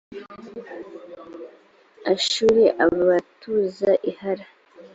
ashuri abatuza i hala